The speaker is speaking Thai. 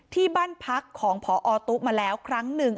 ที่บ้านพักของพอตุ๊มาแล้วครั้งหนึ่ง